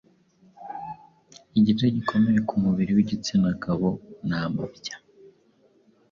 igice gikomeye kumubiri w’igitsinagabo ni amabya.